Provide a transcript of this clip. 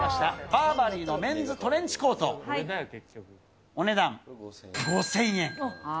バーバリーのメンズトレンチコート、お値段５０００円。